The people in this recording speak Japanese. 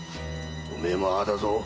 おまえもああだぞ！